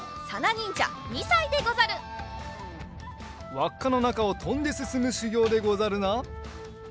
わっかのなかをとんですすむしゅぎょうでござるな。